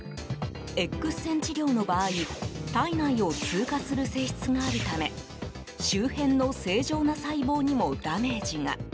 Ｘ線治療の場合体内を通過する性質があるため周辺の正常な細胞にもダメージが。